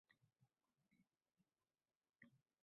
xalqaro huquq normalariga zid urf-odatlar